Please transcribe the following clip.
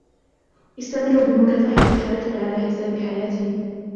استمروا بمكافحة الحريق على حساب حياتهم.